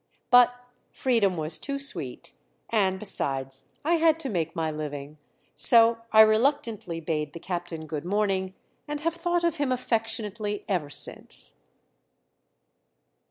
_" But freedom was too sweet, and besides I had to make my living; so I reluctantly bade the captain good morning, and have thought of him affectionately ever since.